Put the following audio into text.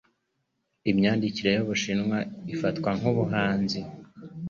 Imyandikire yubushinwa ifatwa nkubuhanzi.